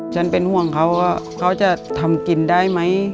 เป็นห่วงเขาว่าเขาจะทำกินได้ไหม